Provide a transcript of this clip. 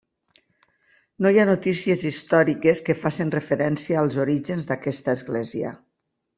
No hi ha notícies històriques que facin referència als orígens d'aquesta església.